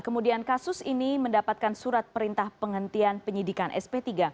kemudian kasus ini mendapatkan surat perintah penghentian penyidikan sp tiga